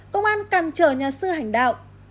công an cằn trở nhà sư hành đạo